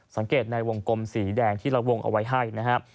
สังเกตในวงกลมสีแดงที่เราวงเอาไว้ให้นะครับ